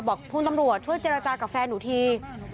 บอกคุณตำรวจช่วยเจรจากับแฟนหนูที